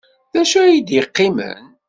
D acu ay d-yeqqimen?